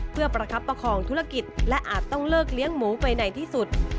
เพื่อประคับประคองธุรกิจและอาจต้องเลิกเลี้ยงหมูไปไหนที่สุด